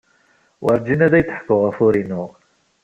Werǧin ad ak-d-ḥkuɣ ufur-inu.